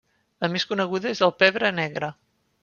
La més coneguda és el pebre negre.